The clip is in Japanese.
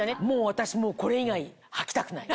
私もうこれ以外はきたくない。